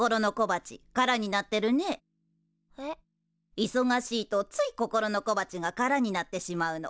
いそがしいとつい心の小鉢が空になってしまうの。